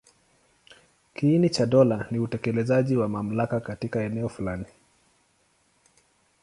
Kiini cha dola ni utekelezaji wa mamlaka katika eneo fulani.